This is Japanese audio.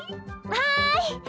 はい！